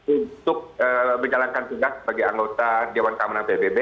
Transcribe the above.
untuk menjalankan tugas sebagai anggota dewan keamanan pbb